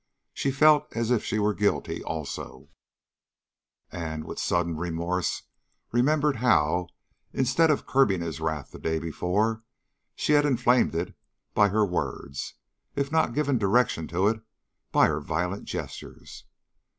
She felt as if she were guilty also, and, with sudden remorse, remembered how, instead of curbing his wrath the day before she had inflamed it by her words, if not given direction to it by her violent gestures.